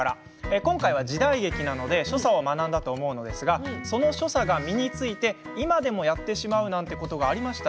今回は時代劇なので所作を学んだと思うんですがその所作が身について今でもやってしまうというようなことはありますか。